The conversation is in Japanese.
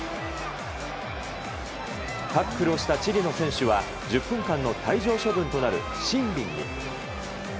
タックルをしたチリの選手は１０分間の退場処分となるシンビンに。